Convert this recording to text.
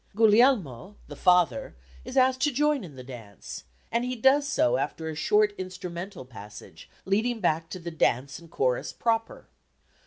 Guglielmo, the father, is asked to join in the dance, and he does so after a short instrumental passage leading back to the dance and chorus proper.